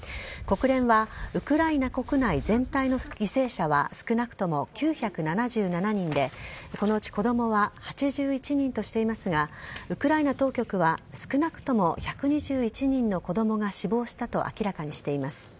国連はウクライナ国内全体の犠牲者は少なくとも９７７人でこのうち子供は８１人としていますがウクライナ当局は少なくとも１２１人の子供が死亡したと明らかにしています。